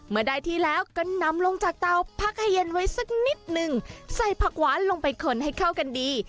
เมื่อได้ที่แล้วก็นำลงจากเตาพักให้เย็นไว้สักนิดนึงใส่ผักหวานลงไปขนให้เข้ากันดี